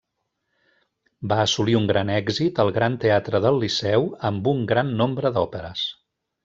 Va assolir un gran èxit al Gran Teatre del Liceu amb un gran nombre d'òperes.